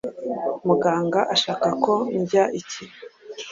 Muganga ashaka ko ndya iki?